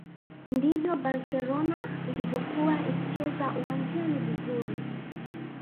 ndivyo barcelona ilivyokuwa ikicheza uwanjani vizuri